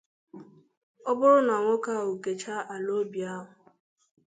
Ọ bụrụ na nwoke a kèchaa ala obi ahụ